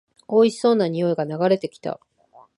おいしそうな匂いが流れてきた